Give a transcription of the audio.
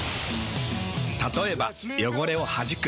たとえば汚れをはじく。